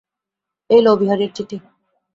এই লও বিহারীর চিঠি।